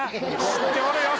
知っておるよ